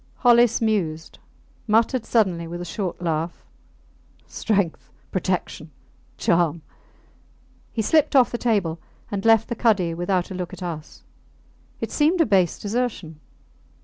Hollis mused, muttered suddenly with a short laugh, Strength ... Protection ... Charm. He slipped off the table and left the cuddy without a look at us. It seemed a base desertion.